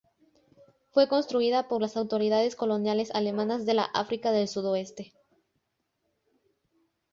Fue construida por las autoridades coloniales alemanas de la África del Sudoeste.